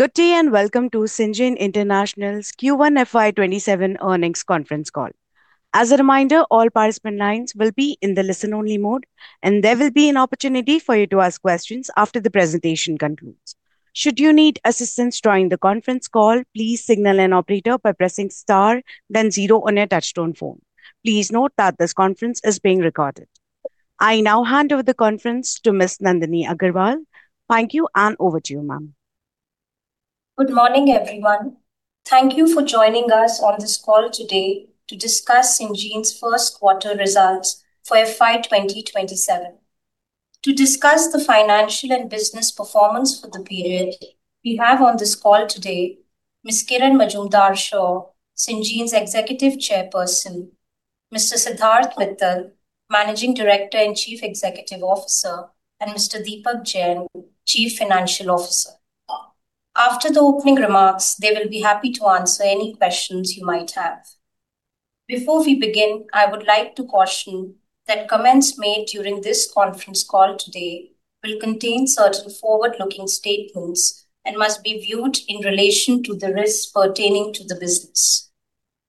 Good day. Welcome to Syngene International Q1 FY 2027 Earnings Conference Call. As a reminder, all participant lines will be in the listen-only mode, and there will be an opportunity for you to ask questions after the presentation concludes. Should you need assistance during the conference call, please signal an operator by pressing star then zero on your touchtone phone. Please note that this conference is being recorded. I now hand over the conference to Ms. Nandini Agarwal. Thank you. Over to you, ma'am. Good morning, everyone. Thank you for joining us on this call today to discuss Syngene's first quarter results for FY 2027. To discuss the financial and business performance for the period, we have on this call today Ms. Kiran Mazumdar-Shaw, Syngene's Executive Chairperson, Mr. Siddharth Mittal, Managing Director and Chief Executive Officer, and Mr. Deepak Jain, Chief Financial Officer. After the opening remarks, they will be happy to answer any questions you might have. Before we begin, I would like to caution that comments made during this conference call today will contain certain forward-looking statements and must be viewed in relation to the risks pertaining to the business.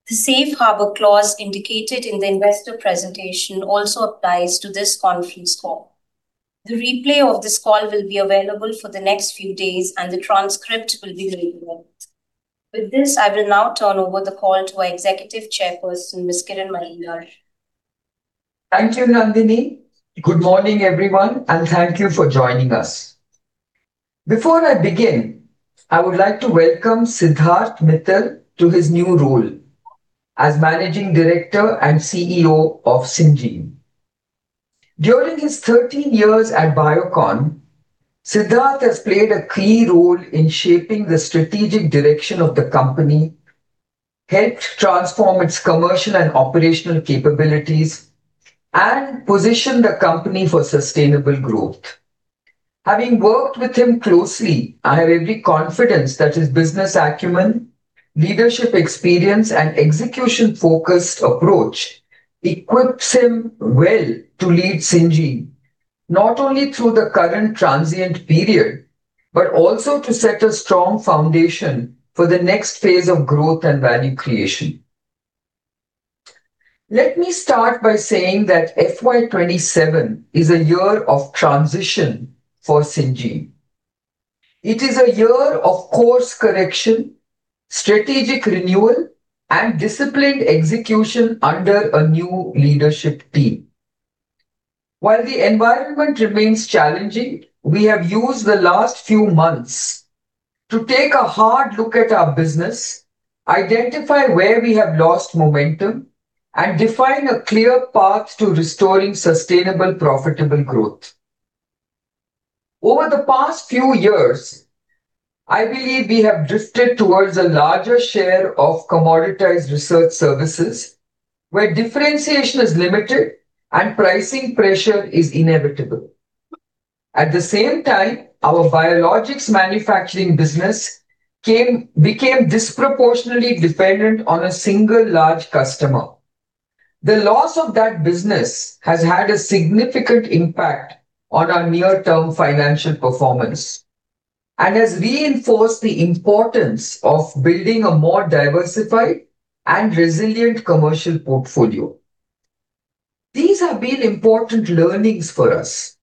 The safe harbor clause indicated in the investor presentation also applies to this conference call. The replay of this call will be available for the next few days. The transcript will be available. With this, I will now turn over the call to our Executive Chairperson, Ms. Kiran Mazumdar. Thank you, Nandini. Good morning, everyone. Thank you for joining us. Before I begin, I would like to welcome Siddharth Mittal to his new role as Managing Director and CEO of Syngene. During his 13 years at Biocon, Siddharth has played a key role in shaping the strategic direction of the company, helped transform its commercial and operational capabilities, and positioned the company for sustainable growth. Having worked with him closely, I have every confidence that his business acumen, leadership experience, and execution-focused approach equips him well to lead Syngene, not only through the current transient period, but also to set a strong foundation for the next phase of growth and value creation. Let me start by saying that FY 2027 is a year of transition for Syngene. It is a year of course correction, strategic renewal, and disciplined execution under a new leadership team. While the environment remains challenging, we have used the last few months to take a hard look at our business, identify where we have lost momentum, and define a clear path to restoring sustainable profitable growth. Over the past few years, I believe we have drifted towards a larger share of commoditized research services, where differentiation is limited and pricing pressure is inevitable. At the same time, our biologics manufacturing business became disproportionately dependent on a single large customer. The loss of that business has had a significant impact on our near-term financial performance and has reinforced the importance of building a more diversified and resilient commercial portfolio. These have been important learnings for us.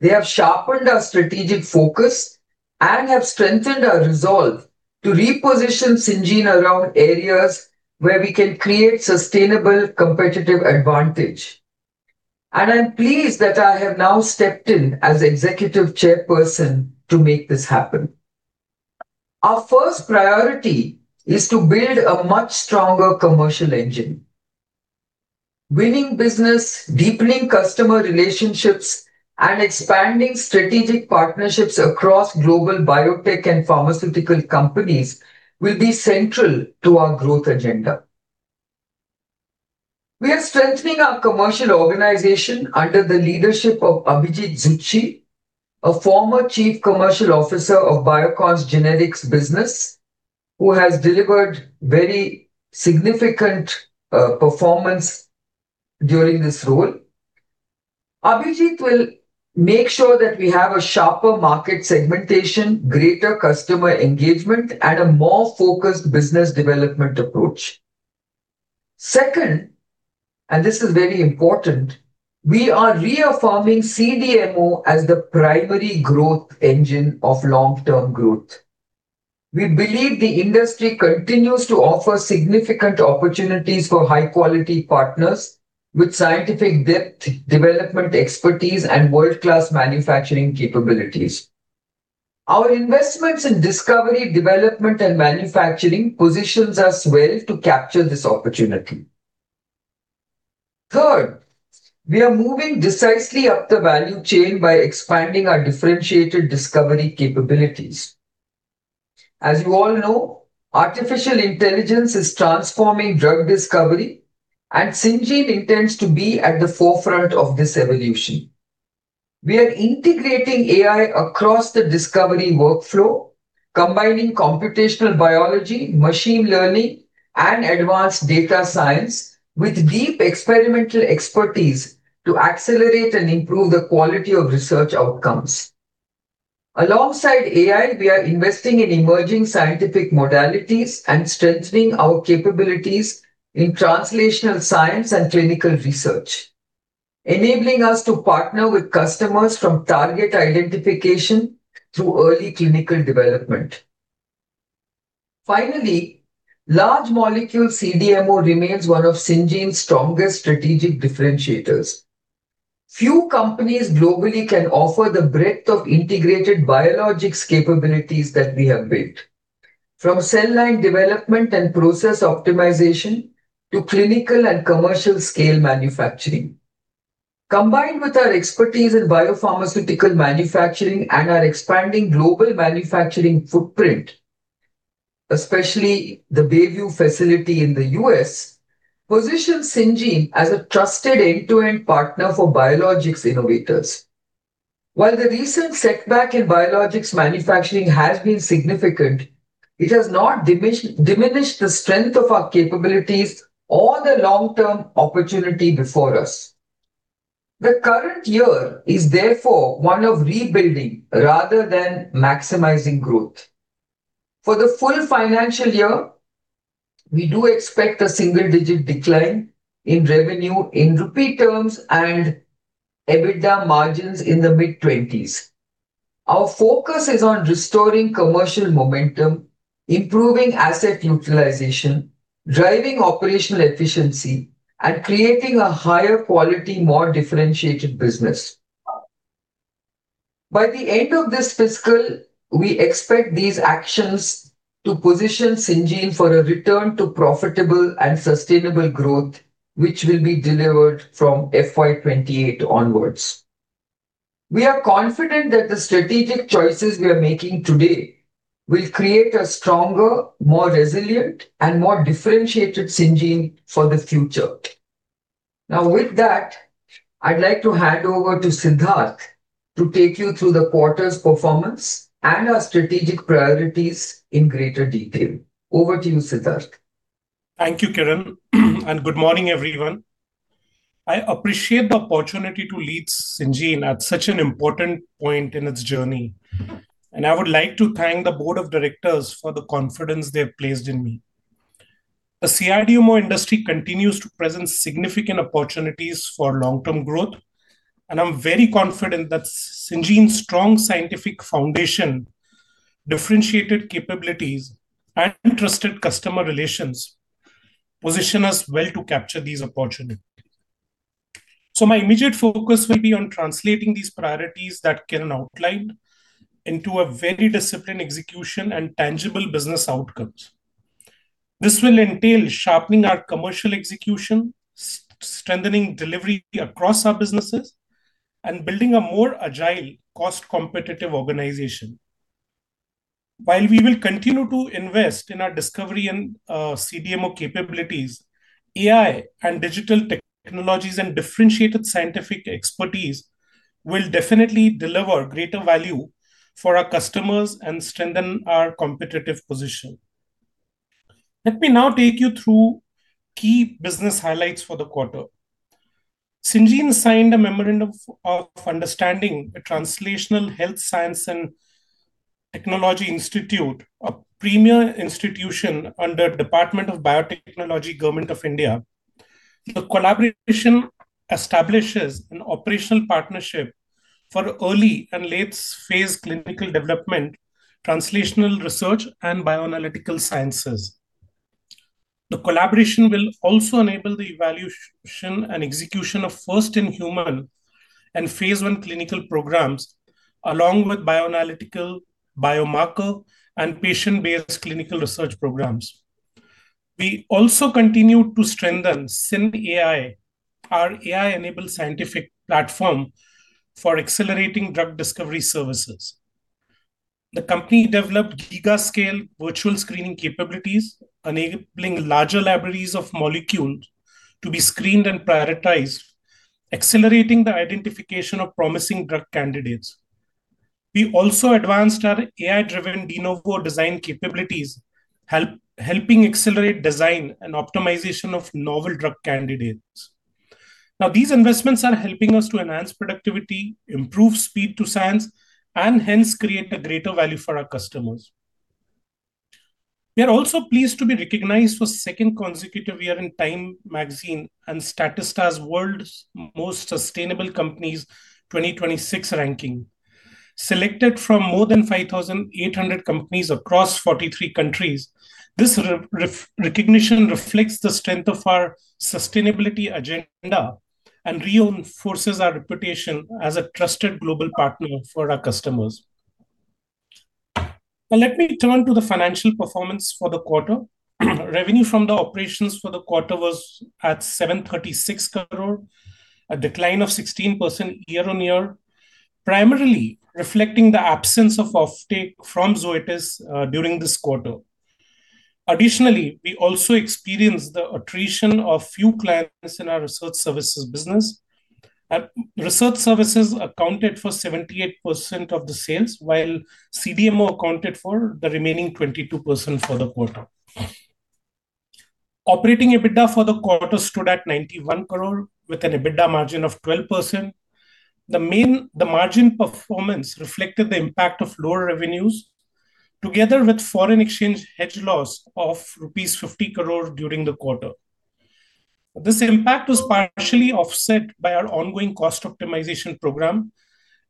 They have sharpened our strategic focus and have strengthened our resolve to reposition Syngene around areas where we can create sustainable competitive advantage. I'm pleased that I have now stepped in as Executive Chairperson to make this happen. Our first priority is to build a much stronger commercial engine. Winning business, deepening customer relationships, and expanding strategic partnerships across global biotech and pharmaceutical companies will be central to our growth agenda. We are strengthening our commercial organization under the leadership of Abhijit Zutshi, a former Chief Commercial Officer of Biocon's generics business, who has delivered very significant performance during this role. Abhijit will make sure that we have a sharper market segmentation, greater customer engagement, and a more focused business development approach. Second, this is very important, we are reaffirming CDMO as the primary growth engine of long-term growth. We believe the industry continues to offer significant opportunities for high-quality partners with scientific depth, development expertise, and world-class manufacturing capabilities. Our investments in discovery, development, and manufacturing positions us well to capture this opportunity. Third, we are moving decisively up the value chain by expanding our differentiated discovery capabilities. As you all know, artificial intelligence is transforming drug discovery, Syngene intends to be at the forefront of this evolution. We are integrating AI across the discovery workflow, combining computational biology, machine learning advanced data science with deep experimental expertise to accelerate and improve the quality of research outcomes. Alongside AI, we are investing in emerging scientific modalities and strengthening our capabilities in translational science and clinical research, enabling us to partner with customers from target identification through early clinical development. Finally, Large Molecule CDMO remains one of Syngene's strongest strategic differentiators. Few companies globally can offer the breadth of integrated biologics capabilities that we have built, from cell line development and process optimization to clinical and commercial scale manufacturing. Combined with our expertise in biopharmaceutical manufacturing and our expanding global manufacturing footprint, especially the Bayview facility in the U.S., positions Syngene as a trusted end-to-end partner for biologics innovators. While the recent setback in biologics manufacturing has been significant, it has not diminished the strength of our capabilities or the long-term opportunity before us. The current year is therefore one of rebuilding rather than maximizing growth. For the full financial year, we do expect a single-digit decline in revenue in INR terms and EBITDA margins in the mid-20s. Our focus is on restoring commercial momentum, improving asset utilization, driving operational efficiency, and creating a higher quality, more differentiated business. By the end of this fiscal, we expect these actions to position Syngene for a return to profitable and sustainable growth, which will be delivered from FY 2028 onwards. We are confident that the strategic choices we are making today will create a stronger, more resilient, and more differentiated Syngene for the future. With that, I'd like to hand over to Siddharth to take you through the quarter's performance and our strategic priorities in greater detail. Over to you, Siddharth. Thank you, Kiran. Good morning, everyone. I appreciate the opportunity to lead Syngene at such an important point in its journey, I would like to thank the board of directors for the confidence they have placed in me. The CDMO industry continues to present significant opportunities for long-term growth, I'm very confident that Syngene's strong scientific foundation, differentiated capabilities, and trusted customer relations position us well to capture these opportunities. My immediate focus will be on translating these priorities that Kiran outlined into a very disciplined execution and tangible business outcomes. This will entail sharpening our commercial execution, strengthening delivery across our businesses, building a more agile, cost-competitive organization. We will continue to invest in our discovery and CDMO capabilities, AI and digital technologies and differentiated scientific expertise will definitely deliver greater value for our customers and strengthen our competitive position. Let me now take you through key business highlights for the quarter. Syngene signed a Memorandum of Understanding with Translational Health Science and Technology Institute, a premier institution under Department of Biotechnology, Government of India. The collaboration establishes an operational partnership for early and late phase clinical development, translational research, and bioanalytical sciences. The collaboration will also enable the evaluation and execution of first-in-human and phase I clinical programs, along with bioanalytical, biomarker, and patient-based clinical research programs. We also continue to strengthen SynAI, our AI-enabled scientific platform for accelerating drug discovery services. The company developed gigascale virtual screening capabilities, enabling larger libraries of molecules to be screened and prioritized, accelerating the identification of promising drug candidates. We also advanced our AI-driven de novo design capabilities, helping accelerate design and optimization of novel drug candidates. These investments are helping us to enhance productivity, improve speed to science, hence create a greater value for our customers. We are also pleased to be recognized for a second consecutive year in Time magazine and Statista's World's Most Sustainable Companies 2026 ranking. Selected from more than 5,800 companies across 43 countries, this recognition reflects the strength of our sustainability agenda and reinforces our reputation as a trusted global partner for our customers. Let me turn to the financial performance for the quarter. Revenue from the operations for the quarter was at 736 crore, a decline of 16% year-on-year, primarily reflecting the absence of offtake from Zoetis during this quarter. Additionally, we also experienced the attrition of few clients in our research services business. Research services accounted for 78% of the sales, while CDMO accounted for the remaining 22% for the quarter. Operating EBITDA for the quarter stood at 91 crore with an EBITDA margin of 12%. The margin performance reflected the impact of lower revenues, together with foreign exchange hedge loss of rupees 50 crore during the quarter. This impact was partially offset by our ongoing cost optimization program,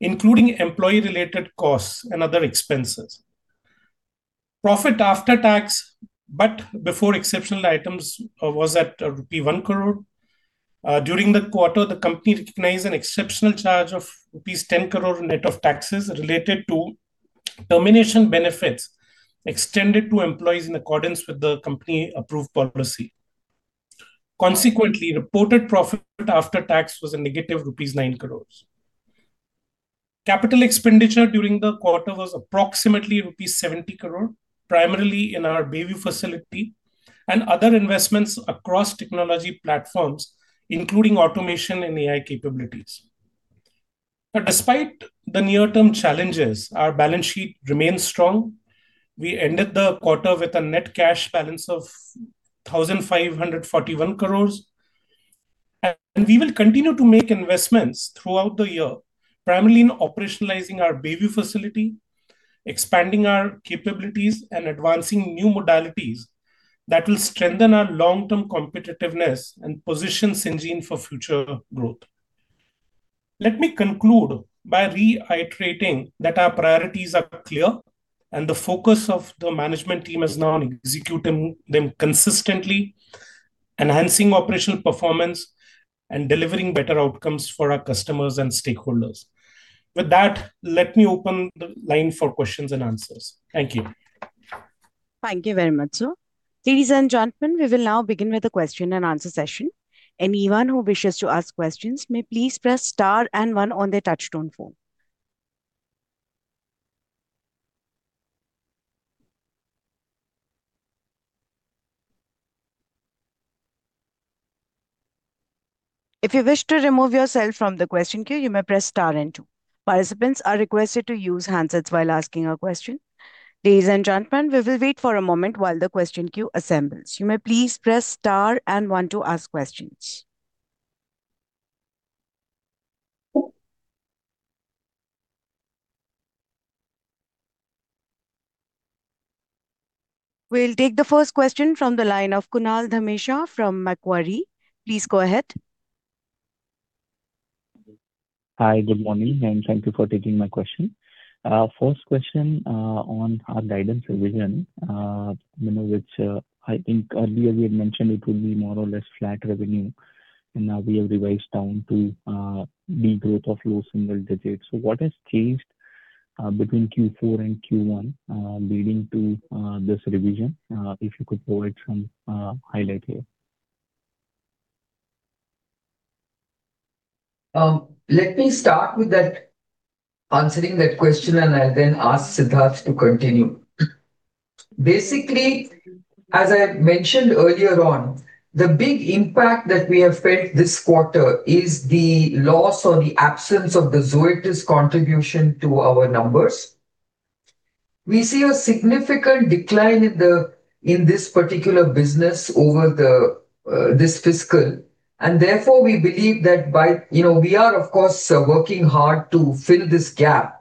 including employee-related costs and other expenses. Profit after tax, but before exceptional items, was at rupee 1 crore. During the quarter, the company recognized an exceptional charge of rupees 10 crore net of taxes related to termination benefits extended to employees in accordance with the company approved policy. Consequently, reported profit after tax was a negative rupees 9 crore. Capital expenditure during the quarter was approximately rupees 70 crore, primarily in our BV facility and other investments across technology platforms, including automation and AI capabilities. Despite the near-term challenges, our balance sheet remains strong. We ended the quarter with a net cash balance of 1,541 crore. We will continue to make investments throughout the year, primarily in operationalizing our BV facility, expanding our capabilities, and advancing new modalities that will strengthen our long-term competitiveness and position Syngene for future growth. Let me conclude by reiterating that our priorities are clear and the focus of the management team is now on executing them consistently, enhancing operational performance, and delivering better outcomes for our customers and stakeholders. With that, let me open the line for questions and answers. Thank you. Thank you very much, sir. Ladies and gentlemen, we will now begin with the question and answer session. Anyone who wishes to ask questions may please press star and one on their touchtone phone. If you wish to remove yourself from the question queue, you may press star and two. Participants are requested to use handsets while asking a question. Ladies and gentlemen, we will wait for a moment while the question queue assembles. You may please press star and one to ask questions. We'll take the first question from the line of Kunal Dhamesha from Macquarie. Please go ahead. Hi, good morning and thank you for taking my question. First question on our guidance revision, which I think earlier we had mentioned it would be more or less flat revenue, and now we have revised down to de-growth of low single-digits. What has changed between Q4 and Q1 leading to this revision? If you could provide some highlight here. Let me start with answering that question. I'll then ask Siddharth to continue. Basically, as I mentioned earlier on, the big impact that we have felt this quarter is the loss or the absence of the Zoetis contribution to our numbers. We see a significant decline in this particular business over this fiscal. We are, of course, working hard to fill this gap.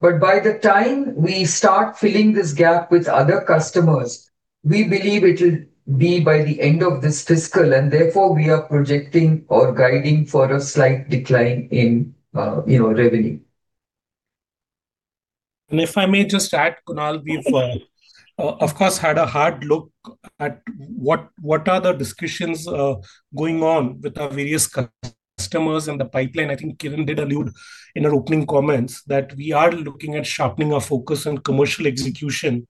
By the time we start filling this gap with other customers, we believe it'll be by the end of this fiscal. Therefore, we are projecting or guiding for a slight decline in revenue. If I may just add, Kunal, we've of course, had a hard look at what are the discussions going on with our various customers in the pipeline. I think Kiran did allude in her opening comments that we are looking at sharpening our focus on commercial execution.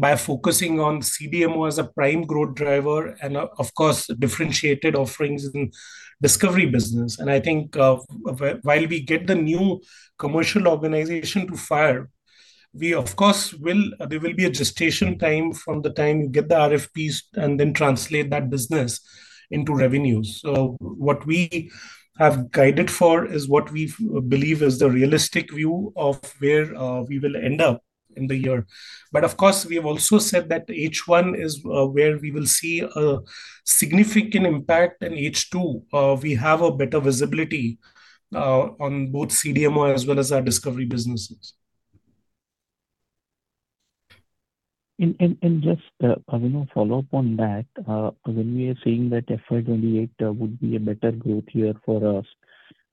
By focusing on CDMO as a prime growth driver and, of course, differentiated offerings in discovery business. I think while we get the new commercial organization to fire, there will be a gestation time from the time you get the RFPs and then translate that business into revenue. What we have guided for is what we believe is the realistic view of where we will end up in the year. Of course, we have also said that H1 is where we will see a significant impact in H2. We have a better visibility on both CDMO as well as our discovery businesses. Just a follow-up on that. When we are saying that FY 2028 would be a better growth year for us,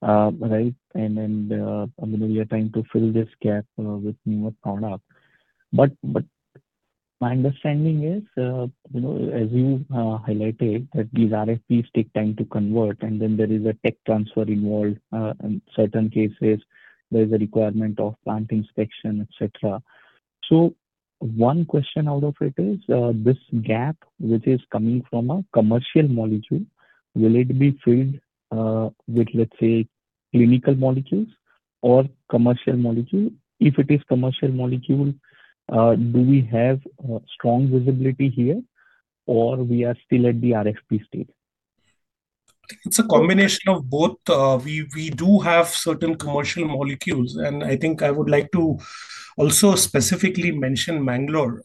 right? We are trying to fill this gap with newer products. My understanding is, as you highlighted, that these RFPs take time to convert, and then there is a tech transfer involved. In certain cases, there is a requirement of plant inspection, et cetera. One question out of it is, this gap, which is coming from a commercial molecule, will it be filled with, let's say, clinical molecules or commercial molecule? If it is commercial molecule, do we have strong visibility here? We are still at the RFP stage? It's a combination of both. We do have certain commercial molecules, I think I would like to also specifically mention Mangalore.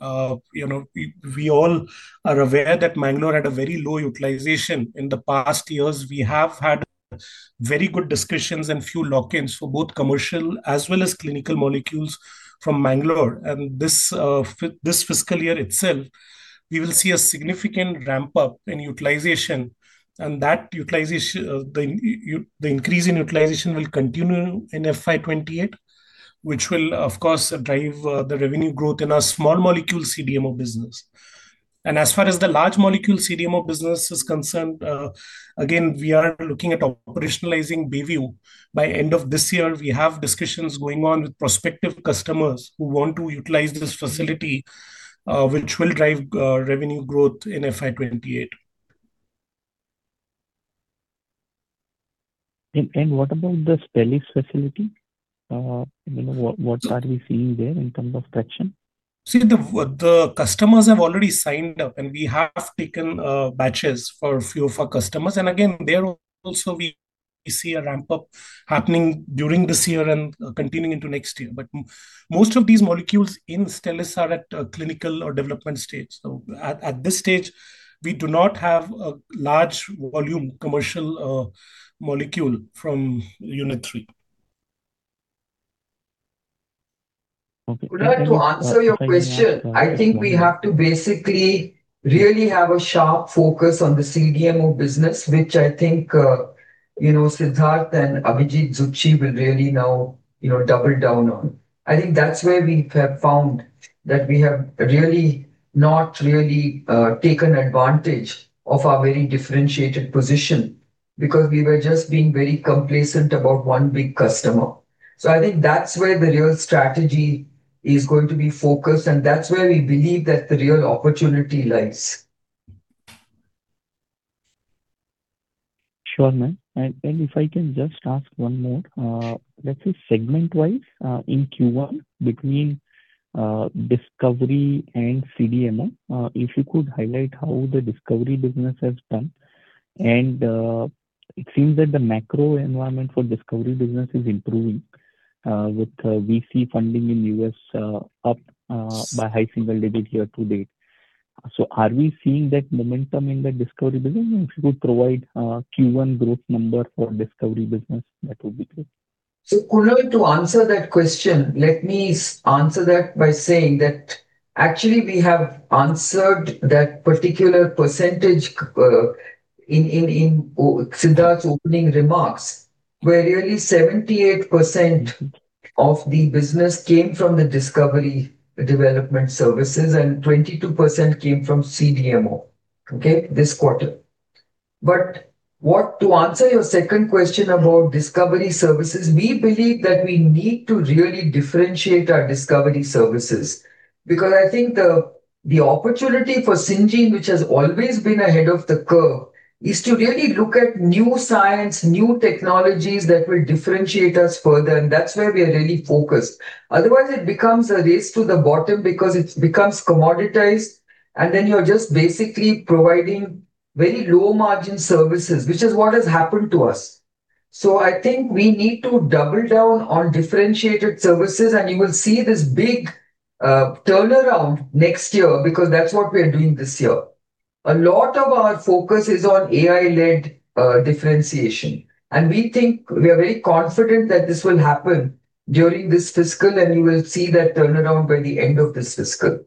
We all are aware that Mangalore had a very low utilization in the past years. We have had very good discussions and a few lock-ins for both commercial as well as clinical molecules from Mangalore. This fiscal year itself, we will see a significant ramp-up in utilization. The increase in utilization will continue in FY 2028, which will, of course, drive the revenue growth in our small molecule CDMO business. As far as the large molecule CDMO business is concerned, again, we are looking at operationalizing Bayview by end of this year. We have discussions going on with prospective customers who want to utilize this facility, which will drive revenue growth in FY 2028. What about the Stelis facility? What are we seeing there in terms of traction? See, the customers have already signed up, and we have taken batches for a few of our customers. Again, there also we see a ramp-up happening during this year and continuing into next year. Most of these molecules in Stelis are at clinical or development stage. At this stage, we do not have a large volume commercial molecule from unit 3. Okay. To answer your question, I think we have to basically really have a sharp focus on the CDMO business, which I think Siddharth and Abhijit Zutshi will really now double down on. I think that's where we have found that we have not really taken advantage of our very differentiated position, because we were just being very complacent about one big customer. I think that's where the real strategy is going to be focused, and that's where we believe that the real opportunity lies. Sure, ma'am. If I can just ask one more. Segment-wise, in Q1, between discovery and CDMO, if you could highlight how the discovery business has done. It seems that the macro environment for discovery business is improving, with VC funding in U.S. up by high single-digits year-to-date. Are we seeing that momentum in the discovery business? If you could provide Q1 growth number for discovery business, that would be great. Kunal, to answer that question, let me answer that by saying that actually we have answered that particular percentage in Siddharth's opening remarks, where really 78% of the business came from the discovery development services, and 22% came from CDMO, okay? This quarter. To answer your second question about discovery services, we believe that we need to really differentiate our discovery services. Because I think the opportunity for Syngene, which has always been ahead of the curve, is to really look at new science, new technologies that will differentiate us further, and that's where we are really focused. Otherwise, it becomes a race to the bottom because it becomes commoditized, and then you're just basically providing very low-margin services, which is what has happened to us. I think we need to double down on differentiated services. You will see this big turnaround next year, because that's what we are doing this year. A lot of our focus is on AI-led differentiation. We are very confident that this will happen during this fiscal. You will see that turnaround by the end of this fiscal.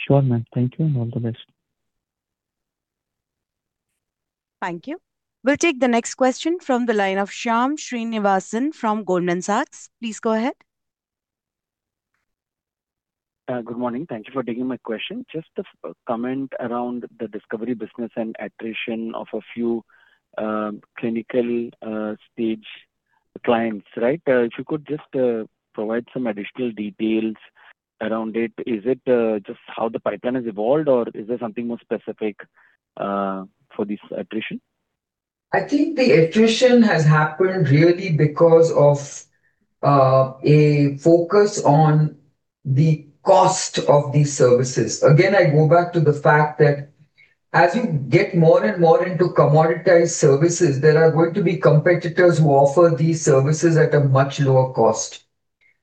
Sure, ma'am. Thank you. All the best. Thank you. We'll take the next question from the line of Shyam Srinivasan from Goldman Sachs. Please go ahead. Good morning. Thank you for taking my question. Just a comment around the discovery business and attrition of a few clinical stage clients, right? If you could just provide some additional details around it. Is it just how the pipeline has evolved, or is there something more specific for this attrition? I think the attrition has happened really because of a focus on the cost of these services. Again, I go back to the fact that as you get more and more into commoditized services, there are going to be competitors who offer these services at a much lower cost.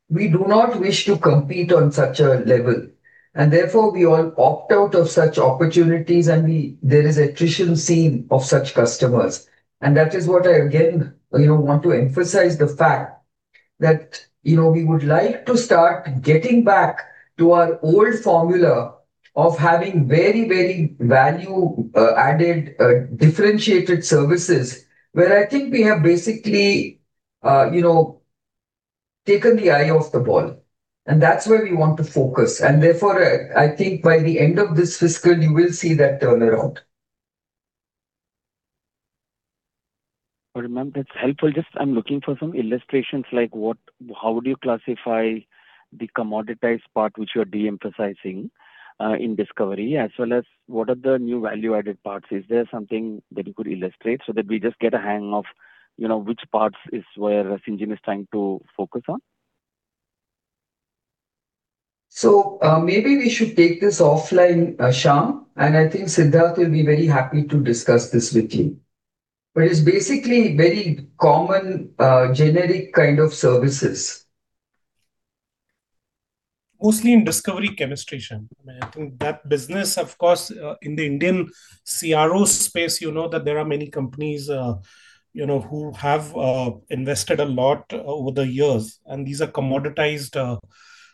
We do not wish to compete on such a level, and therefore we all opt out of such opportunities, and there is attrition seen of such customers. That is what I, again, want to emphasize the fact that we would like to start getting back to our old formula of having very value-added differentiated services, where I think we have basically taken the eye off the ball. That's where we want to focus. Therefore, I think by the end of this fiscal, you will see that turnaround. Ma'am, that's helpful. Just I'm looking for some illustrations, like how would you classify the commoditized part which you're de-emphasizing in discovery, as well as what are the new value-added parts? Is there something that you could illustrate so that we just get a hang of which parts is where Syngene is trying to focus on? Maybe we should take this offline, Shyam, and I think Siddharth will be very happy to discuss this with you. It's basically very common, generic kind of services. Mostly in discovery chemistry, Shyam. I think that business, of course, in the Indian CRO space, you know that there are many companies who have invested a lot over the years, and these are commoditized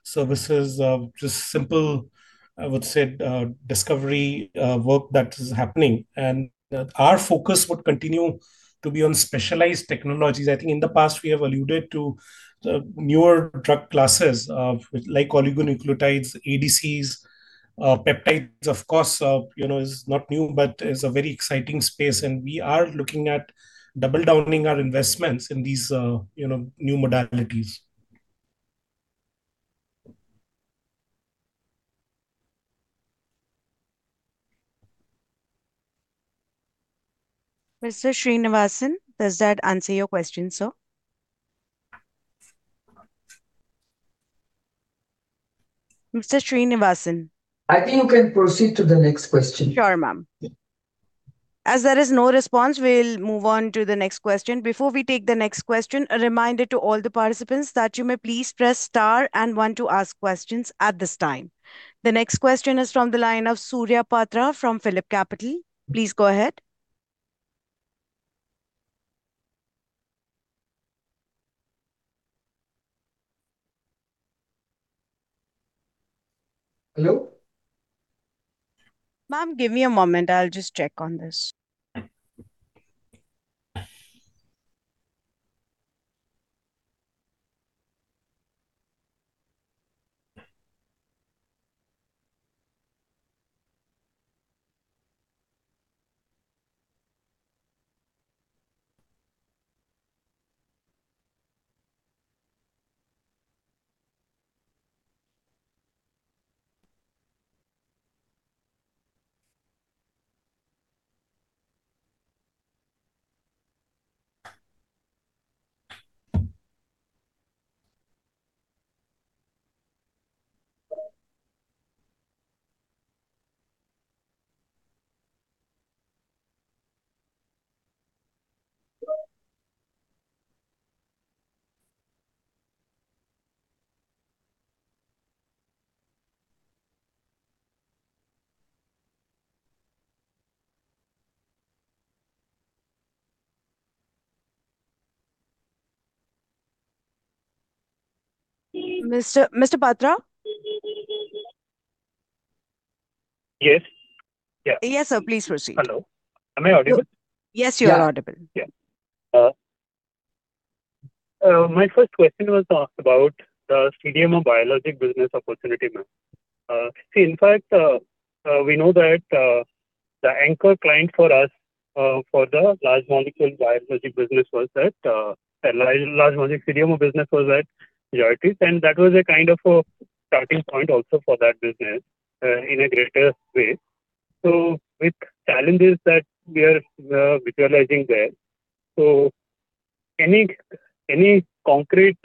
services, just simple, I would say, discovery work that is happening. Our focus would continue to be on specialized technologies. I think in the past, we have alluded to the newer drug classes, like oligonucleotides, ADCs. Peptides, of course, is not new, but is a very exciting space, and we are looking at double-downing our investments in these new modalities. Mr. Srinivasan, does that answer your question, sir? Mr. Srinivasan? I think you can proceed to the next question. Sure, ma'am. As there is no response, we'll move on to the next question. Before we take the next question, a reminder to all the participants that you may please press star and one to ask questions at this time. The next question is from the line of Surya Patra from PhillipCapital. Please go ahead. Hello? Ma'am, give me a moment. I'll just check on this. Mr. Patra? Yes. Yeah. Yes, sir. Please proceed. Hello. Am I audible? Yes, you are audible. My first question was asked about the CDMO biologic business opportunity, ma'am. In fact, we know that the anchor client for us for the Large Molecule CDMO business was Zoetis, that was a kind of a starting point also for that business in a greater way. With challenges that we are visualizing there, any concrete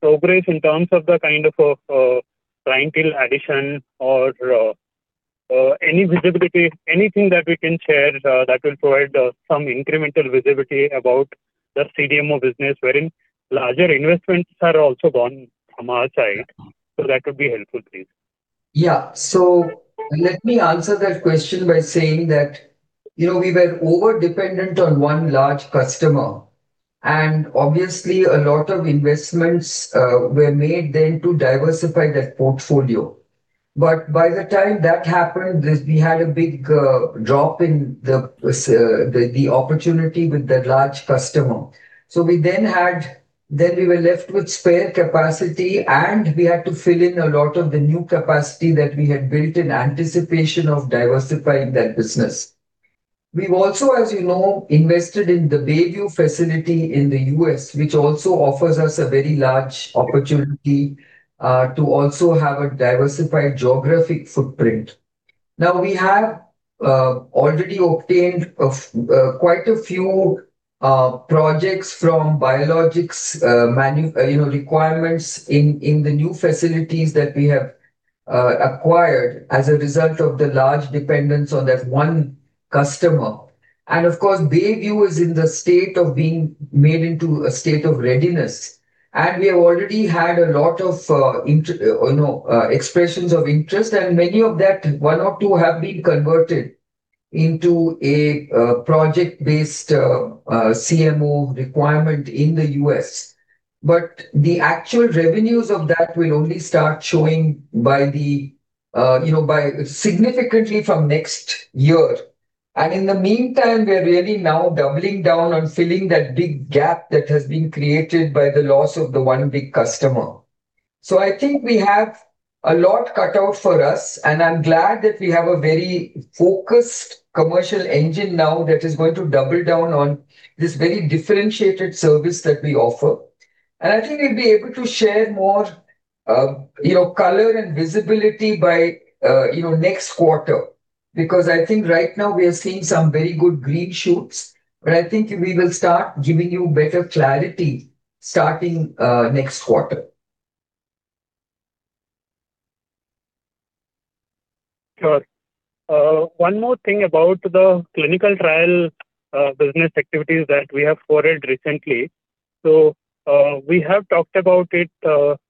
progress in terms of the kind of a clientele addition or any visibility, anything that we can share that will provide some incremental visibility about the CDMO business, wherein larger investments are also gone from our side. That would be helpful, please. Let me answer that question by saying that we were over-dependent on one large customer, obviously a lot of investments were made then to diversify that portfolio. By the time that happened, we had a big drop in the opportunity with the large customer. We were left with spare capacity, we had to fill in a lot of the new capacity that we had built in anticipation of diversifying that business. We've also, as you know, invested in the Bayview facility in the U.S., which also offers us a very large opportunity to also have a diversified geographic footprint. Now we have already obtained quite a few projects from biologics requirements in the new facilities that we have acquired as a result of the large dependence on that one customer. Of course, Bayview is in the state of being made into a state of readiness, we have already had a lot of expressions of interest, many of that, one or two have been converted into a project-based CMO requirement in the U.S. The actual revenues of that will only start showing significantly from next year. In the meantime, we're really now doubling down on filling that big gap that has been created by the loss of the one big customer. I think we have a lot cut out for us, I'm glad that we have a very focused commercial engine now that is going to double down on this very differentiated service that we offer. I think we'll be able to share more color and visibility by next quarter. I think right now we are seeing some very good green shoots, but I think we will start giving you better clarity starting next quarter. Sure. One more thing about the clinical trial business activities that we have forwarded recently. We have talked about it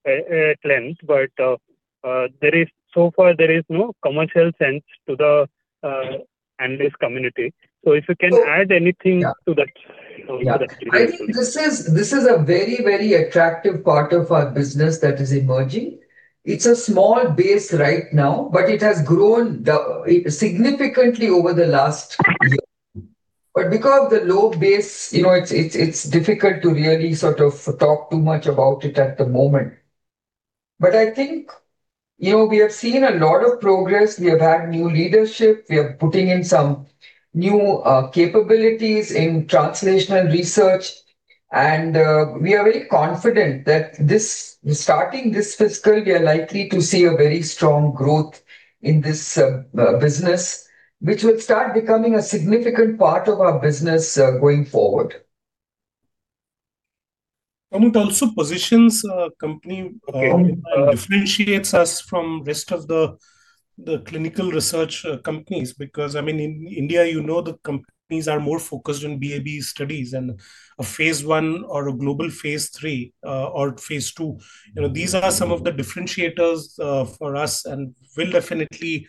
at length, but so far there is no commercial sense to the analyst community. If you can add anything to that. Yeah. To that, please. I think this is a very attractive part of our business that is emerging. It's a small base right now, but it has grown significantly over the last year. Because of the low base, it's difficult to really sort of talk too much about it at the moment. I think, we have seen a lot of progress. We have had new leadership. We are putting in some new capabilities in translational research, and we are very confident that starting this fiscal year, likely to see a very strong growth in this business, which will start becoming a significant part of our business going forward. It also positions our company. Okay Differentiates us from rest of the clinical research companies. Because, I mean, in India, the companies are more focused on BA/BE studies and a phase I or a global phase III or phase II. These are some of the differentiators for us, and will definitely,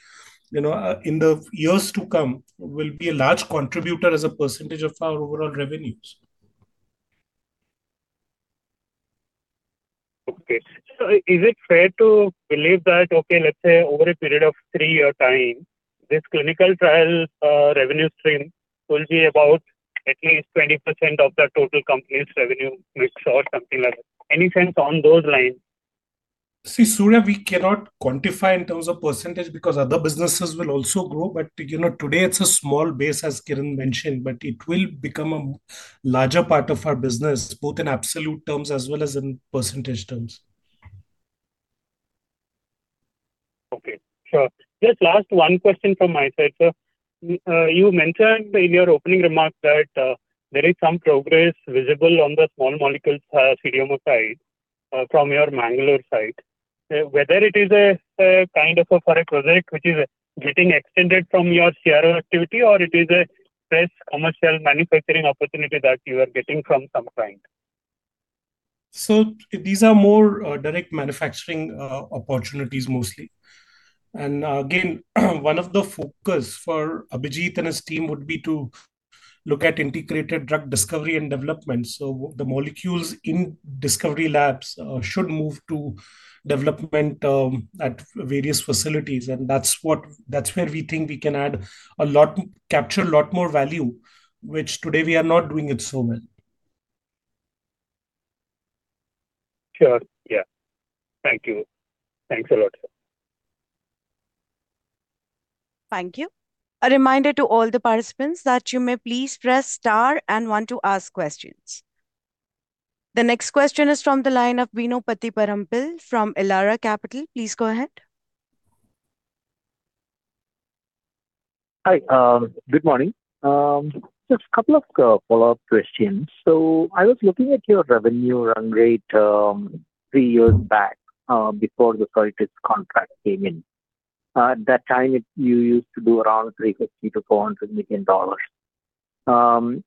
in the years to come, will be a large contributor as a percentage of our overall revenues. Okay. Is it fair to believe that, okay, let's say over a period of three-year time, this clinical trial revenue stream will be about at least 20% of the total company's revenue mix or something like that? Any sense on those lines? Surya, we cannot quantify in terms of % because other businesses will also grow. Today it's a small base, as Kiran mentioned, but it will become a larger part of our business, both in absolute terms as well as in % terms. Sure. Just last one question from my side, sir. You mentioned in your opening remarks that there is some progress visible on the small molecule CDMO side from your Mangalore site. Whether it is a kind of a foreign project which is getting extended from your CRO activity or it is a fresh commercial manufacturing opportunity that you are getting from some client. These are more direct manufacturing opportunities mostly. Again, one of the focus for Abhijit and his team would be to look at integrated drug discovery and development. The molecules in discovery labs should move to development at various facilities. That's where we think we can capture a lot more value, which today we are not doing it so well. Sure. Yeah. Thank you. Thanks a lot, sir. Thank you. A reminder to all the participants that you may please press star and one to ask questions. The next question is from the line of Bino Pathiparampil from Elara Capital. Please go ahead. Hi. Good morning. Just couple of follow-up questions. I was looking at your revenue run rate three years back, before the Zoetis contract came in. At that time, you used to do around $350 million to $400 million.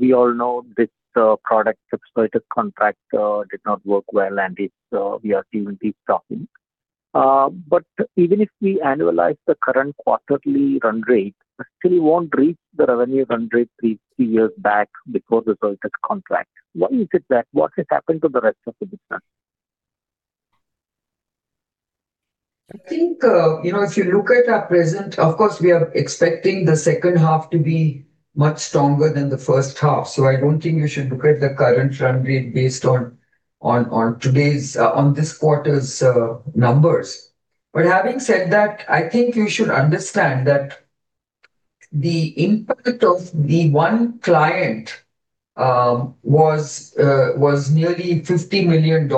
We all know, this product, the Cortus contract did not work well, and we are seeing it stopping. Even if we annualize the current quarterly run rate, still it won't reach the revenue run rate three years back before the Cortus contract. Why is it that? What has happened to the rest of the business? If you look at our present, of course, we are expecting the second half to be much stronger than the first half. I don't think you should look at the current run rate based on this quarter's numbers. Having said that, you should understand that the impact of the one client was nearly $50 million.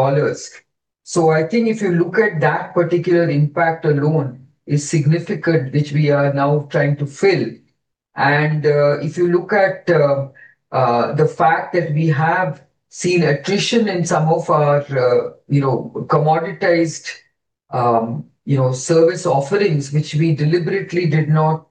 If you look at that particular impact alone is significant, which we are now trying to fill. If you look at the fact that we have seen attrition in some of our commoditized service offerings, which we deliberately did not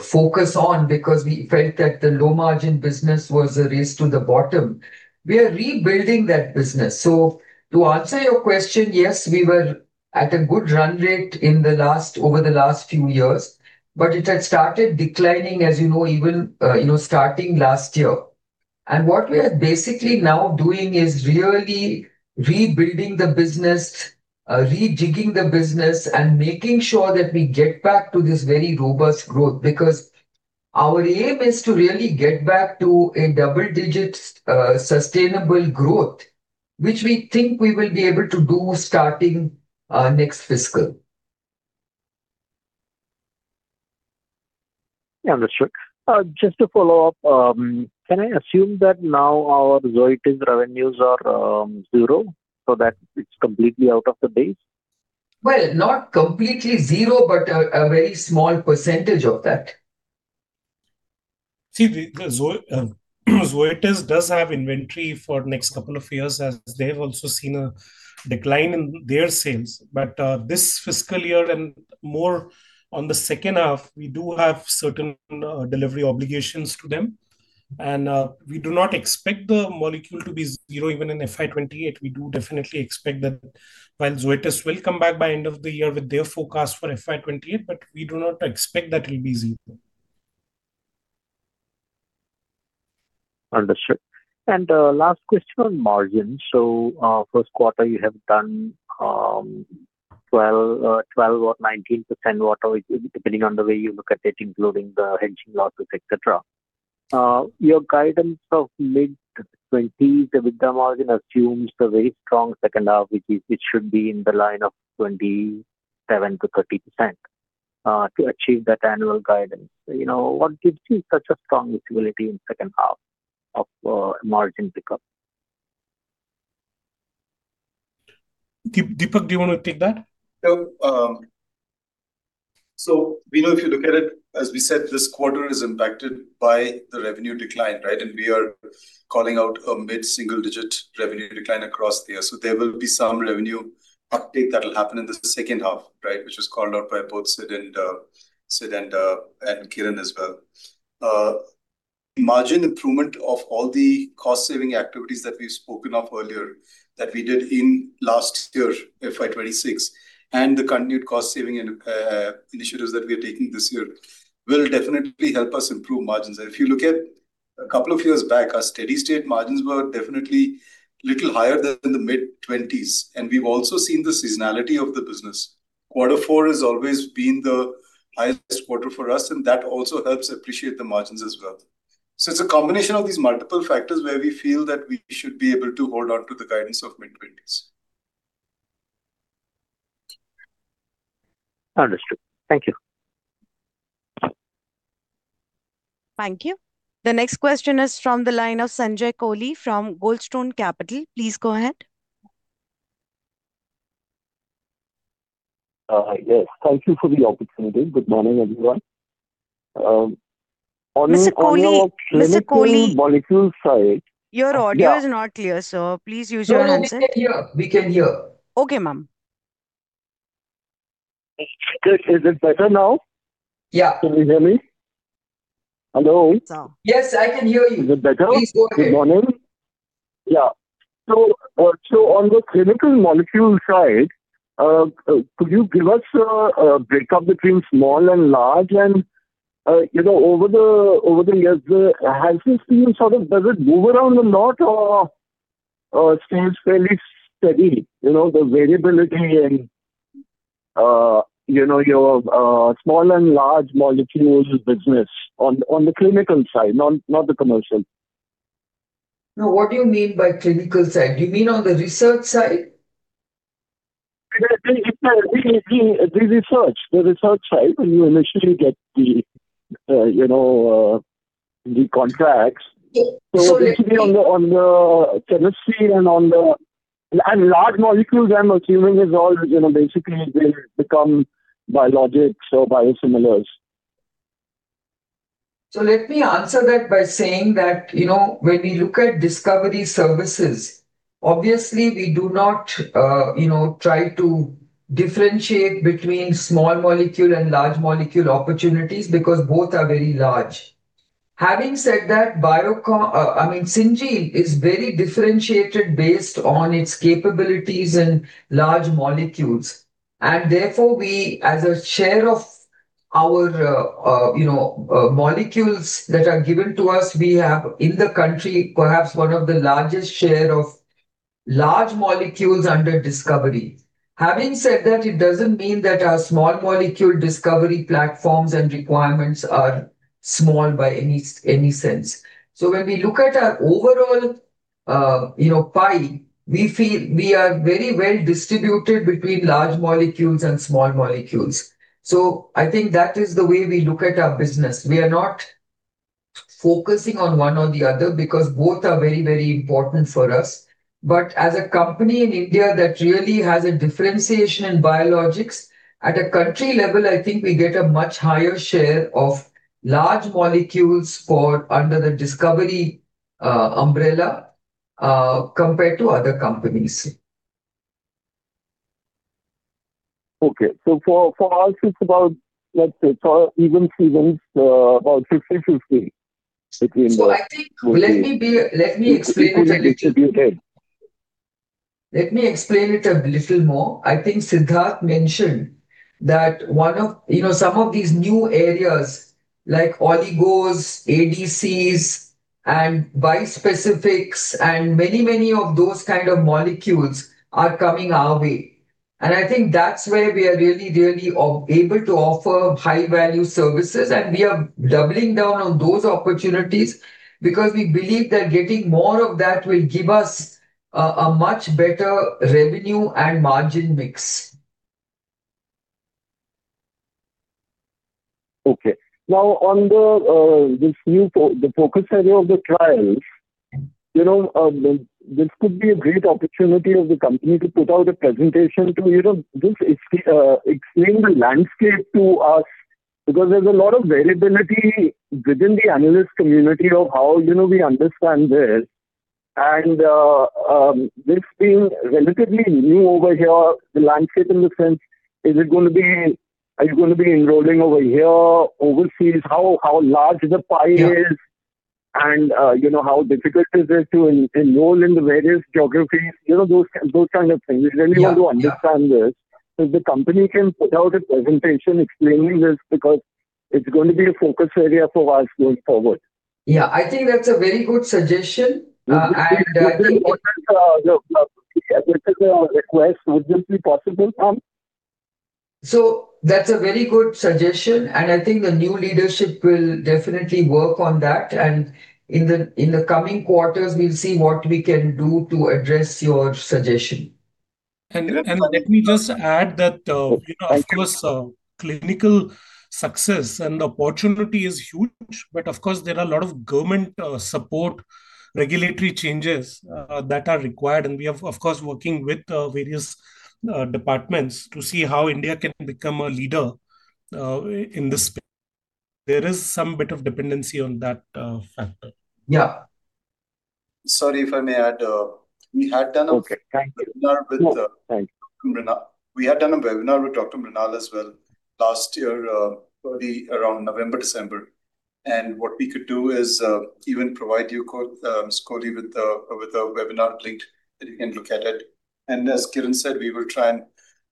focus on because we felt that the low margin business was a race to the bottom. We are rebuilding that business. To answer your question, yes, we were at a good run rate over the last few years, but it had started declining as you know even starting last year. What we are basically now doing is really rebuilding the business, rejigging the business, and making sure that we get back to this very robust growth. Our aim is to really get back to a double-digit sustainable growth, which we think we will be able to do starting next fiscal. Yeah, that's true. Just to follow up, can I assume that now our Zoetis revenues are zero so that it's completely out of the base? Well, not completely zero, but a very small % of that. The Zoetis does have inventory for next two years, as they've also seen a decline in their sales. This fiscal year and more on the second half, we do have certain delivery obligations to them. We do not expect the molecule to be zero even in FY 2028. We do definitely expect that while Zoetis will come back by end of the year with their forecast for FY 2028, we do not expect that it'll be zero. Understood. Last question on margin. First quarter you have done 12% or 19%, whatever, depending on the way you look at it, including the hedging losses, et cetera. Your guidance of mid-20s EBITDA margin assumes a very strong second half, which should be in the line of 27%-30% to achieve that annual guidance. What gives you such a strong visibility in second half of margin pickup? Deepak, do you want to take that? Bino, if you look at it, as we said, this quarter is impacted by the revenue decline, right? We are calling out a mid-single-digit revenue decline across the year. There will be some revenue uptake that will happen in the second half, right, which was called out by both Sid and Kiran as well. Margin improvement of all the cost-saving activities that we've spoken of earlier, that we did in last year, FY 2026, and the continued cost-saving initiatives that we are taking this year will definitely help us improve margins. If you look at a couple of years back, our steady-state margins were definitely little higher than the mid-20s. We've also seen the seasonality of the business. Quarter four has always been the highest quarter for us, and that also helps appreciate the margins as well. It's a combination of these multiple factors where we feel that we should be able to hold on to the guidance of mid-20s. Understood. Thank you. Thank you. The next question is from the line of Sanjay Kohli from Goldstone Capital. Please go ahead. Yes. Thank you for the opportunity. Good morning, everyone. Mr. Kohli. Llinical molecule side. Your audio is not clear, sir. Please use your headset. No, we can hear. We can hear. Okay, ma'am. Is it better now? Yeah. Can you hear me? Hello? Yes, I can hear you. Is it better? Please go ahead. Good morning. Yeah. On the clinical molecule side, could you give us a breakup between small and large? Over the years, has it been sort of does it move around a lot or stays fairly steady, the variability in your small and large molecules business on the clinical side, not the commercial? No. What do you mean by clinical side? Do you mean on the research side? The research side, when you initially get the contracts. Let me. It should be on the chemistry and on the large molecules, I'm assuming, is all they become biologics or biosimilars. Let me answer that by saying that, when we look at discovery services, obviously, we do not try to differentiate between small molecule and large molecule opportunities because both are very large. Having said that, Syngene is very differentiated based on its capabilities in large molecules. Therefore, we, as a share of our molecules that are given to us, we have, in the country, perhaps one of the largest share of large molecules under discovery. Having said that, it doesn't mean that our small molecule discovery platforms and requirements are small by any sense. When we look at our overall pie, we feel we are very well-distributed between large molecules and small molecules. I think that is the way we look at our business. We are not focusing on one or the other because both are very important for us. As a company in India that really has a differentiation in biologics, at a country level, I think we get a much higher share of large molecules under the discovery umbrella, compared to other companies. Okay. For us, it's about, it's all even Stevens, about 50/50. I think, let me explain a little. Equally distributed. Let me explain it a little more. I think Siddharth mentioned that some of these new areas like oligos, ADCs and bispecifics and many of those kind of molecules are coming our way. I think that's where we are really able to offer high-value services, and we are doubling down on those opportunities because we believe that getting more of that will give us a much better revenue and margin mix. Okay. Now on the focus area of the trials, this could be a great opportunity of the company to put out a presentation to just explain the landscape to us, because there's a lot of variability within the analyst community of how we understand this. This being relatively new over here, the landscape in the sense, are you going to be enrolling over here, overseas? How large the pie is? Yeah How difficult is it to enroll in the various geographies, those kind of things. Yeah. We really want to understand this. If the company can put out a presentation explaining this, because it is going to be a focus area for us going forward. Yeah, I think that's a very good suggestion. We will put this request as soon as possible. That's a very good suggestion, and I think the new leadership will definitely work on that. In the coming quarters, we'll see what we can do to address your suggestion. Let me just add that. Thank you. Of course, clinical success and opportunity is huge, but of course, there are a lot of government support regulatory changes that are required. We are, of course, working with various departments to see how India can become a leader in this space. There is some bit of dependency on that factor. Yeah. Sorry if I may add. We had done. Okay, thank you. webinar. No, thank you. Dr Mrinal. We had done a webinar with Dr Mrinal as well last year, probably around November, December. What we could do is even provide you, Mr. Kohli, with the webinar link that you can look at it. As Kiran said, we will try and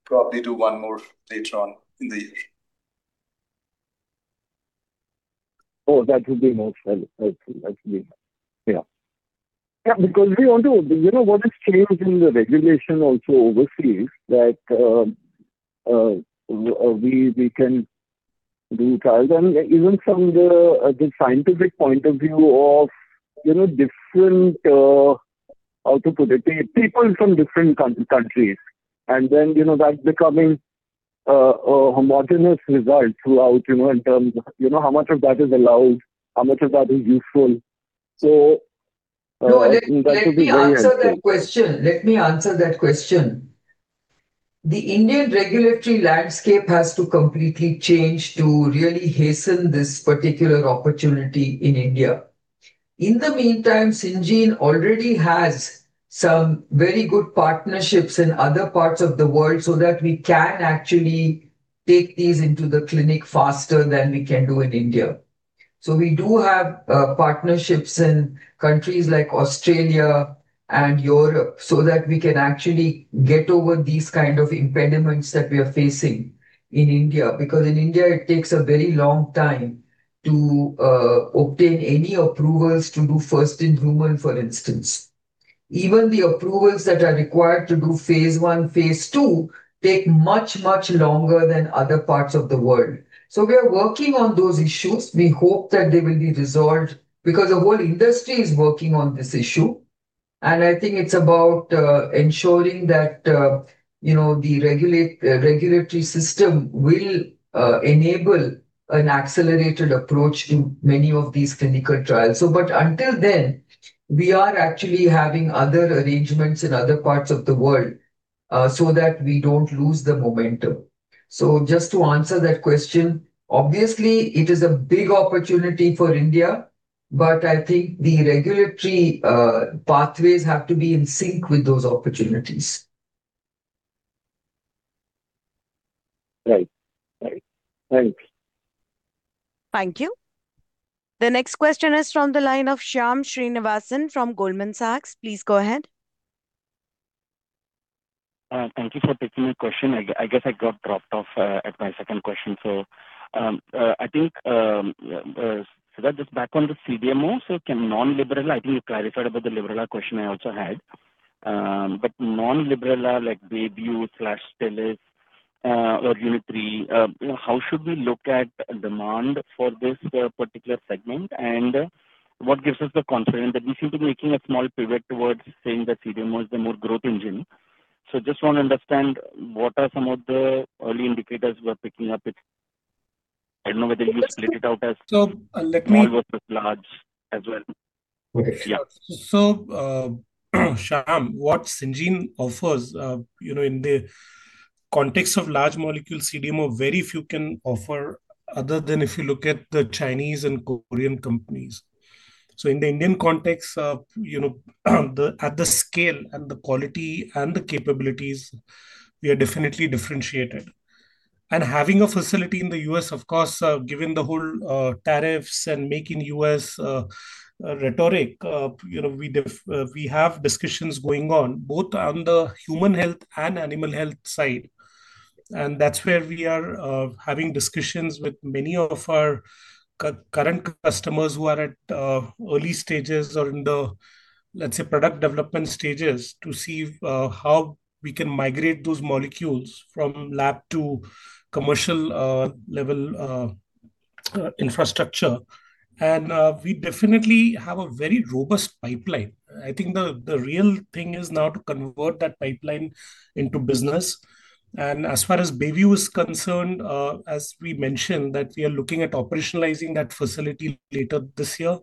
probably do one more later on in the year. Oh, that would be most helpful. Thank you. Yeah. What has changed in the regulation also overseas that we can do trials and even from the scientific point of view of different, how to put it, people from different countries and then that becoming a homogenous result throughout in terms of how much of that is allowed, how much of that is useful. That would be very helpful. No, let me answer that question. The Indian regulatory landscape has to completely change to really hasten this particular opportunity in India. In the meantime, Syngene already has some very good partnerships in other parts of the world so that we can actually take these into the clinic faster than we can do in India. We do have partnerships in countries like Australia and Europe so that we can actually get over these kind of impediments that we are facing in India, because in India it takes a very long time to obtain any approvals to do first in human, for instance. Even the approvals that are required to do Phase I, Phase II take much, much longer than other parts of the world. We are working on those issues. We hope that they will be resolved because the whole industry is working on this issue, and I think it's about ensuring that the regulatory system will enable an accelerated approach in many of these clinical trials. Until then, we are actually having other arrangements in other parts of the world, so that we don't lose the momentum. Just to answer that question, obviously it is a big opportunity for India, I think the regulatory pathways have to be in sync with those opportunities. Right. Thank you. Thank you. The next question is from the line of Shyam Srinivasan from Goldman Sachs. Please go ahead. Thank you for taking my question. I guess I got dropped off at my second question. Siddharth, just back on the CDMO. Can non-Librela, I think you clarified about the Librela question I also had. But non-Librela, like Bayview/Stelis, or Unit3, how should we look at demand for this particular segment? What gives us the confidence that you seem to be making a small pivot towards saying that CDMO is the more growth engine. Just want to understand what are some of the early indicators you are picking up with. I don't know whether you split it out. Let me- Small versus large as well. Okay. Yeah. Shyam, what Syngene offers in the context of Large Molecule CDMO, very few can offer other than if you look at the Chinese and Korean companies. In the Indian context, at the scale and the quality and the capabilities, we are definitely differentiated. Having a facility in the U.S., of course, given the whole tariffs and making U.S. rhetoric, we have discussions going on both on the human health and animal health side. That's where we are having discussions with many of our current customers who are at early stages or in the, let's say, product development stages to see how we can migrate those molecules from lab to commercial level infrastructure. We definitely have a very robust pipeline. I think the real thing is now to convert that pipeline into business. As far as Bayview is concerned, as we mentioned, that we are looking at operationalizing that facility later this year.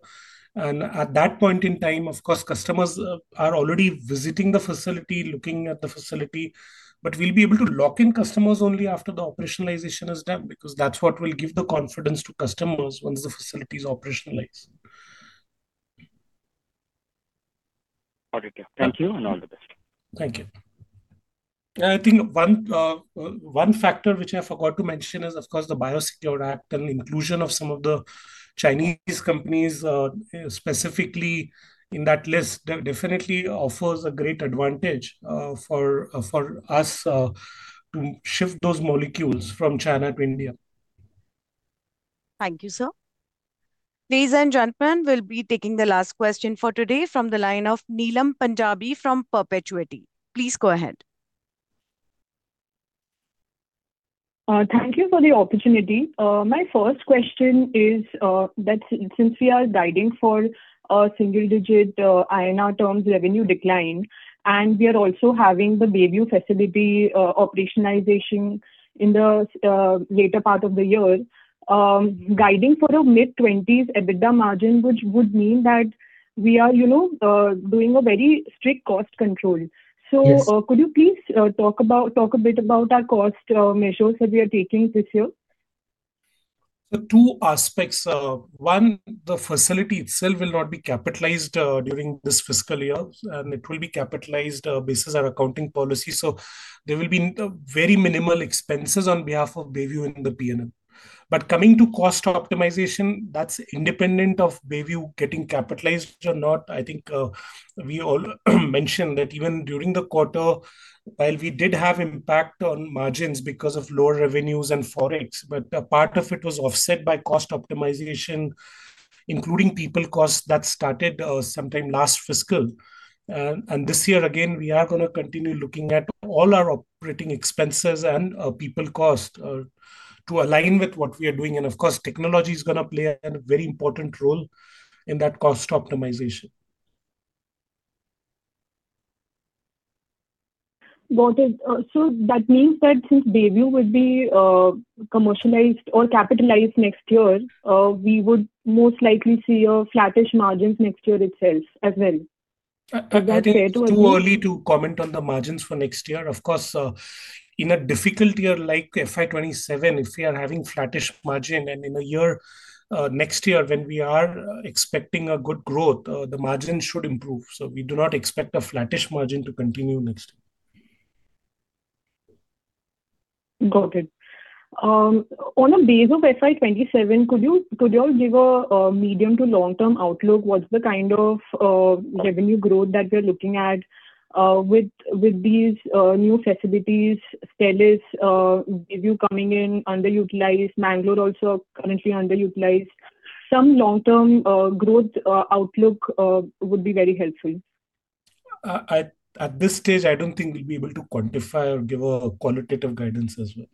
At that point in time, of course, customers are already visiting the facility, looking at the facility. We'll be able to lock in customers only after the operationalization is done, because that's what will give the confidence to customers once the facility is operationalized. Got it. Thank you, and all the best. Thank you. I think one factor which I forgot to mention is, of course, the BIOSECURE Act and inclusion of some of the Chinese companies, specifically in that list, definitely offers a great advantage for us to shift those molecules from China to India. Thank you, sir. Ladies and gentlemen, we will be taking the last question for today from the line of Neelam Punjabi from Perpetuity. Please go ahead. Thank you for the opportunity. My first question is that since we are guiding for a single-digit INR terms revenue decline, and we are also having the Bayview facility operationalization in the later part of the year, guiding for a mid-20s EBITDA margin, which would mean that we are doing a very strict cost control. Yes. Could you please talk a bit about our cost measures that we are taking this year? Two aspects. One, the facility itself will not be capitalized during this fiscal year, and it will be capitalized based on our accounting policy. There will be very minimal expenses on behalf of Bayview in the P&L. Coming to cost optimization, that's independent of Bayview getting capitalized or not. I think we all mentioned that even during the quarter, while we did have impact on margins because of lower revenues and Forex, but a part of it was offset by cost optimization, including people cost, that started sometime last fiscal. This year, again, we are going to continue looking at all our operating expenses and people cost to align with what we are doing. Of course, technology is going to play a very important role in that cost optimization. Got it. That means that since Bayview would be commercialized or capitalized next year, we would most likely see your flattish margins next year itself as well. Is that fair to assume? I think it's too early to comment on the margins for next year. Of course, in a difficult year like FY 2027, if we are having flattish margin, and in a year, next year, when we are expecting a good growth, the margin should improve. We do not expect a flattish margin to continue next year. Got it. On the base of FY 2027, could you all give a medium to long-term outlook? What's the kind of revenue growth that we're looking at with these new facilities, Stelis, Bayview coming in underutilized, Mangalore also currently underutilized. Some long-term growth outlook would be very helpful. At this stage, I don't think we'll be able to quantify or give a qualitative guidance as well.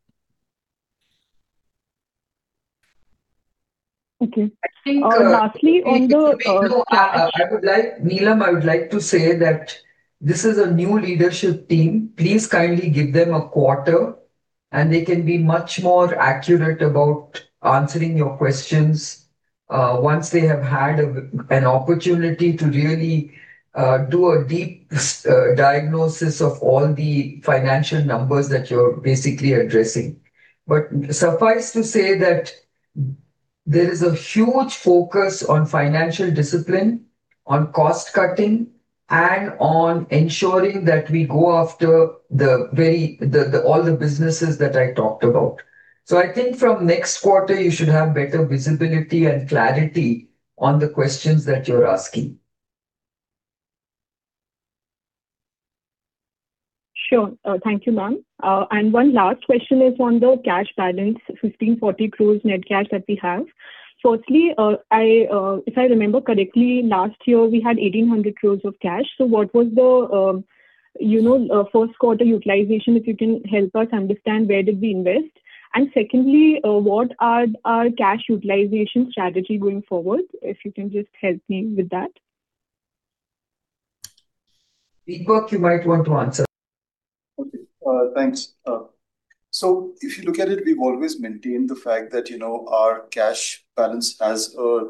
Okay. I think- Lastly, on the- If you may. No, Neelam, I would like to say that this is a new leadership team. Please kindly give them a quarter, and they can be much more accurate about answering your questions once they have had an opportunity to really do a deep diagnosis of all the financial numbers that you're basically addressing. Suffice to say that there is a huge focus on financial discipline, on cost-cutting, and on ensuring that we go after all the businesses that I talked about. I think from next quarter, you should have better visibility and clarity on the questions that you're asking. Sure. Thank you, ma'am. One last question is on the cash balance, 1,540 crore net cash that we have. Firstly, if I remember correctly, last year we had 1,800 crore of cash. What was the first quarter utilization, if you can help us understand where did we invest? Secondly, what are our cash utilization strategy going forward? If you can just help me with that. Deepak, you might want to answer. Okay. Thanks. If you look at it, we've always maintained the fact that our cash balance has a,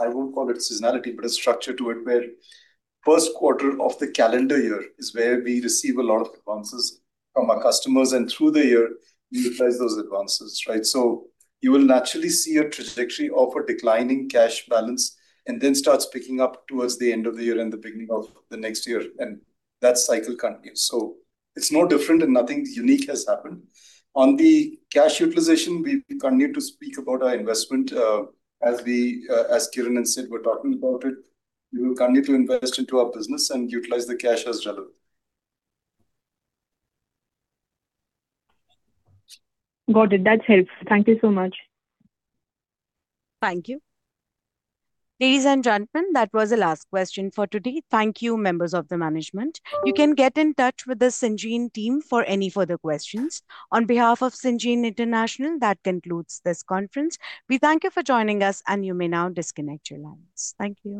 I won't call it seasonality, but a structure to it, where first quarter of the calendar year is where we receive a lot of advances from our customers, and through the year, we utilize those advances, right? You will naturally see a trajectory of a decline in cash balance, and then starts picking up towards the end of the year and the beginning of the next year, and that cycle continues. It's no different and nothing unique has happened. On the cash utilization, we continue to speak about our investment, as Kiran and Sid were talking about it. We will continue to invest into our business and utilize the cash as generated. Got it. That helps. Thank you so much. Thank you. Ladies and gentlemen, that was the last question for today. Thank you, members of the management. You can get in touch with the Syngene team for any further questions. On behalf of Syngene International, that concludes this conference. We thank you for joining us, and you may now disconnect your lines. Thank you.